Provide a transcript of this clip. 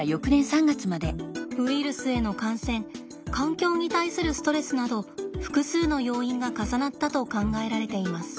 ウイルスへの感染環境に対するストレスなど複数の要因が重なったと考えられています。